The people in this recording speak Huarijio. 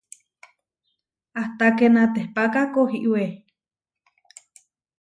Ahtaké natépaka kohiwé.